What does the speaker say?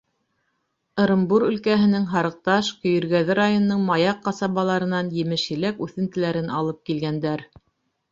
Ырымбур өлкәһенең Һарыҡташ, Көйөргәҙе районының Маяҡ ҡасабаларынан емеш-еләк үҫентеләрен алып килгәндәр.